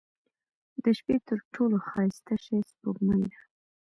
• د شپې تر ټولو ښایسته شی سپوږمۍ ده.